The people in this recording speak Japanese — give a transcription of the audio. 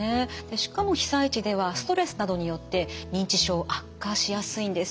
しかも被災地ではストレスなどによって認知症悪化しやすいんです。